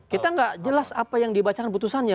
kita nggak jelas apa yang dibacakan putusannya